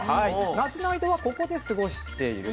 夏の間はここで過ごしている。